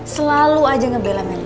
selalu aja ngebela meli